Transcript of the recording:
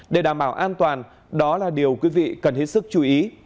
để đảm bảo an toàn đó là điều quý vị cần hết sức chú ý